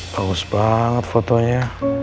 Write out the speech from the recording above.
bagus banget fotonya